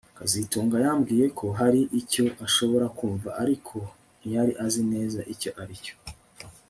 kazitunga yambwiye ko hari icyo ashobora kumva ariko ntiyari azi neza icyo aricyo